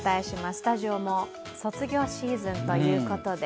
スタジオも卒業シーズンということで。